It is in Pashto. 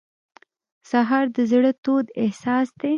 سهار د زړه تود احساس دی.